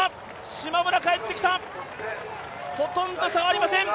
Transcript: しまむら帰ってきた、ほとんど差がありません。